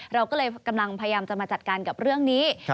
เราก็เลยกำลังพยายามจะมาจัดการกับเรื่องนี้